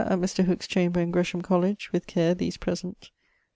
att Mr. Hooke's chamber in Gresham Colledge with care these present.